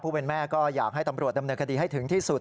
แม่ก็อยากให้ตำรวจดำเนินคดีให้ถึงที่สุด